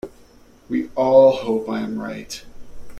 We all hope I am right.